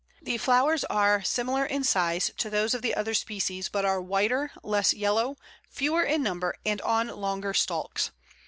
The flowers are similar in size to those of the other species, but are whiter, less yellow, fewer in number, and on longer stalks.